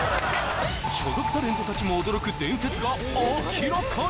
所属タレントたちも驚く伝説が明らかに！